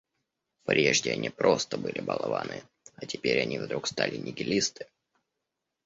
Прежде они просто были болваны, а теперь они вдруг стали нигилисты.